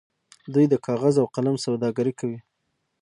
دوی د کاغذ او قلم سوداګري کوي.